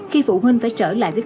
khi phụ huynh phải trở lại trường